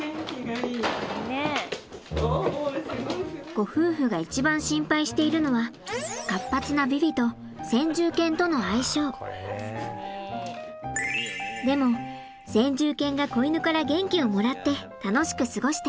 ご夫婦が一番心配しているのはでも先住犬が子犬から元気をもらって楽しく過ごしてほしい。